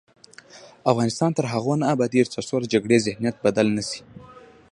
افغانستان تر هغو نه ابادیږي، ترڅو د جګړې ذهنیت بدل نه شي.